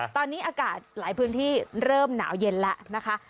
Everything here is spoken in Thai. ตอนนี้อากาศหลายพื้นที่เริ่มหนาวเย็นแล้วนะคะ